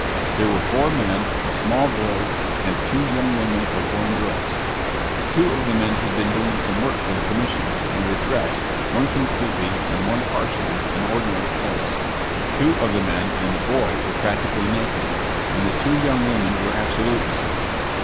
There were four men, a small boy, and two young women or grown girls. Two of the men had been doing some work for the commission, and were dressed, one completely and one partially, in ordinary clothes. Two of the men and the boy were practically naked, and the two young women were absolutely so.